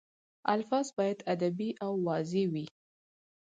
الفاظ باید ادبي او واضح وي.